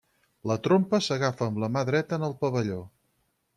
La trompa s'agafa amb la mà dreta en el pavelló.